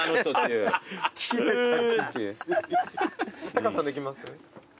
タカさんできます？